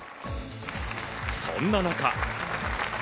そんな中。